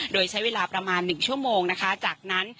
โดยใช้เวลาประมาณ๑ชั่วโมงนะคะจากนั้น